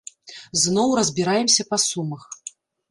Зноў разбіраемся па сумах.